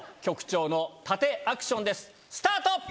局長の殺陣アクションですスタート！